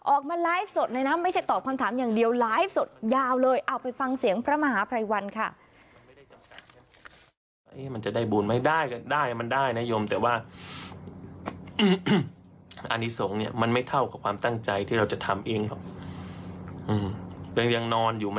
ออกมาไลฟ์สดเลยนะไม่ใช่ตอบความถามอย่างเดียว